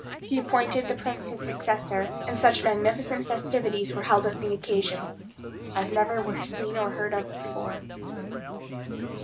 He appointed the prince his successor; and such magnificent festivities were held on the occasion, as never were seen or heard of before.